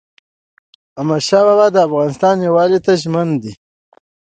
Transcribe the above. احمدشاه بابا د افغانستان یووالي ته ژمن و.